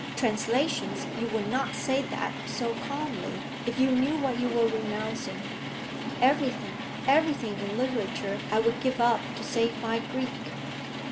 'Translations! You would not say that so calmly if you knew what you were renouncing. Everything, everything in literature, I would give up to save my Greek.